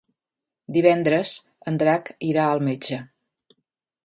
Divendres en Drac irà al metge.